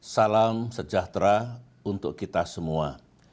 salam sejahtera untuk kita semua